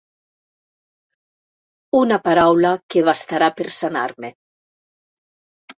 Una paraula que bastarà per sanar-me.